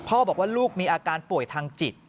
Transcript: บอกว่าลูกมีอาการป่วยทางจิต